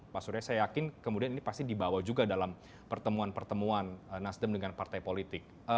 pak surya saya yakin kemudian ini pasti dibawa juga dalam pertemuan pertemuan nasdem dengan partai politik